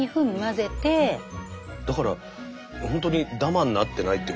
だから本当にだまになってないっていうか。